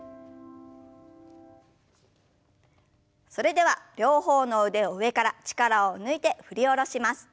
それでは両方の腕を上から力を抜いて振り下ろします。